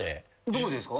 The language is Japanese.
どこでですか？